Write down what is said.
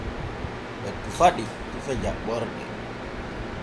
Ɓee tufa ɗi tufe jaɓɓorɗe.